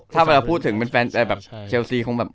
ถ้าเวลาพูดถึงเป็นแฟนแบบเชลซีคงแบบ